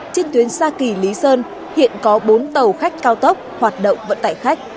trên tuyến sa kỳ lý sơn hiện có bốn tàu khách cao tốc hoạt động vận tải khách